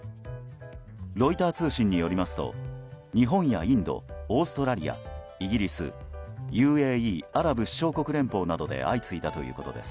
ロイター通信によりますと日本やインド、オーストラリアイギリスＵＡＥ・アラブ首長国連邦などで相次いだということです。